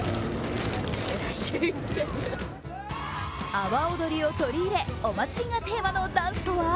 阿波おどりを取り入れお祭りがテーマのダンスとは？